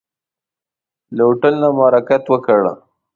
له هوټل نه مو حرکت وکړ.